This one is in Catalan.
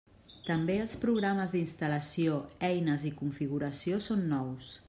També els programes d'instal·lació, eines i configuració són nous.